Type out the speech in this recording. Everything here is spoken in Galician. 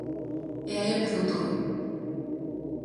E aí empezou todo.